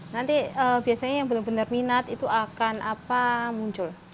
nanti biasanya yang benar benar minat itu akan muncul